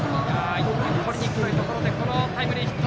１点を取りに行くところでこのタイムリーヒット。